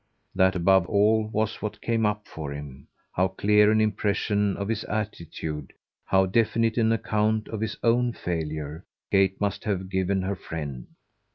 That above all was what came up for him how clear an impression of this attitude, how definite an account of his own failure, Kate must have given her friend.